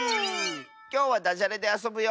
きょうはだじゃれであそぶよ！